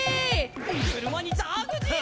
車にジャグジー！